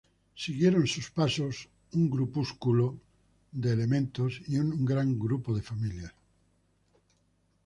Siguieron sus pasos un grupo de sacerdotes y un gran grupo de familias.